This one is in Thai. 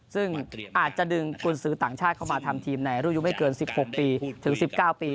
ซึ่งอาจจะดึงกุญสือต่างชาติเข้ามาทำทีมในรุ่นอายุไม่เกิน๑๖ปีถึง๑๙ปี